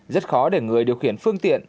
rất khó để người điều khiển phương tiện